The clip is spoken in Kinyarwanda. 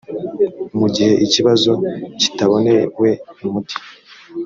mu gihe ikibazo kitabonewe umuti